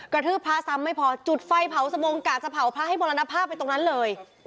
กระทืบพระซ้ำไม่พอจุดไฟเผาสมงกะจะเผาพระให้มรณภาพไปตรงนั้นเลย